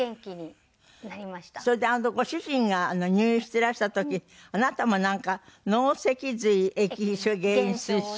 それでご主人が入院していらした時あなたもなんか脳脊髄液減少症。